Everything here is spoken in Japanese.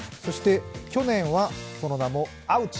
去年はその名も「アウチ！」